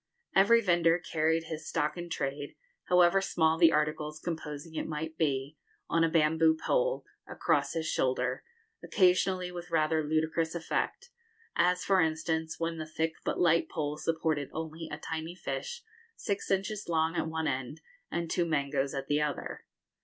Every vendor carried his stock in trade, however small the articles composing it might be, on a bamboo pole, across his shoulder, occasionally with rather ludicrous effect, as, for instance, when the thick but light pole supported only a tiny fish six inches long at one end, and two mangoes at the other.